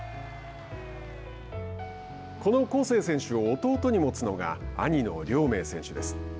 この恒成選手を弟に持つのが兄の亮明選手です。